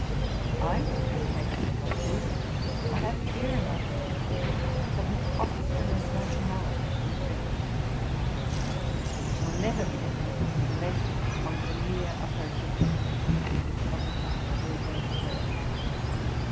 I would be a Papist if I could. I have fear enough; but an obstinate rationality prevents me. I shall never be a Papist, unless on the near approach of death, of which I have a very great terrour.